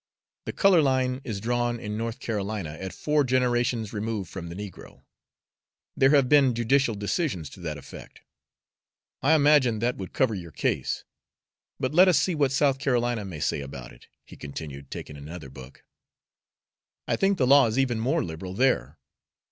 "The color line is drawn in North Carolina at four generations removed from the negro; there have been judicial decisions to that effect. I imagine that would cover your case. But let us see what South Carolina may say about it," he continued, taking another book. "I think the law is even more liberal there.